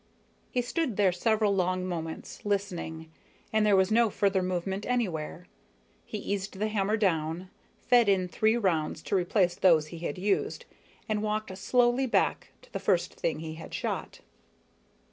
He stood there several long moments, listening, and there was no further movement anywhere. He eased the hammer down, fed in three rounds to replace those he had used, and walked slowly back to the first thing he had shot.